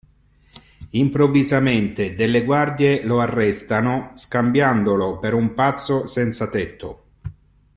Improvvisamente delle guardie lo arrestano scambiandolo per un pazzo senza tetto.